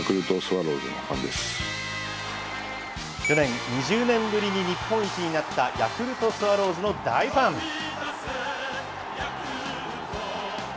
去年、２０年ぶりに日本一になったヤクルトスワローズの大ファン。